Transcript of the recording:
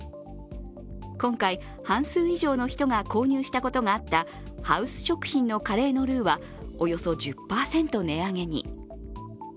今回、半数以上の人が購入したことがあったハウス食品のカレーのルーはおよそ１０％値上げに。